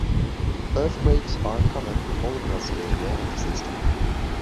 Earthquakes are common all across the area of the system.